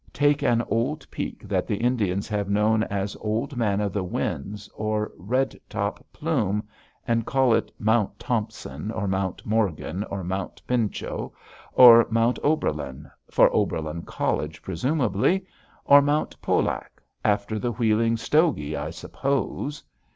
Take an old peak that the Indians have known as Old Man of the Winds or Red Top Plume and call it Mount Thompson or Mount Morgan or Mount Pinchot or Mount Oberlin for Oberlin College, presumably or Mount Pollack after the Wheeling stogie, I suppose!